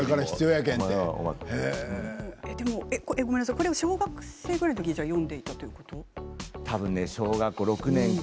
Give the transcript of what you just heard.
これを小学生ぐらいのときに読んでいるということですか？